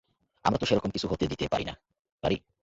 আমরা তো সেরকম কিছু হতে দিতে পারি না, পারি?